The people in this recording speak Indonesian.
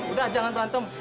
udah jangan rantem